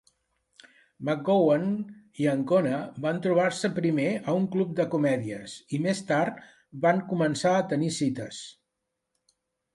McGowan i Ancona van trobar-se primer a un club de comèdies i més tard van començar a tenir cites.